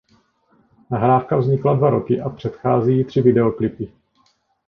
Nahrávka vznikala dva roky a předchází jí tři videoklipy.